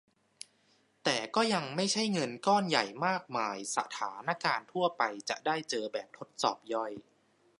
แต่ก็ยังไม่ใช่เงินก้อนใหญ่มากมายสถานการณ์ทั่วไปจะได้เจอแบบทดสอบย่อย